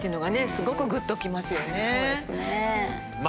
すごくグッときますよね。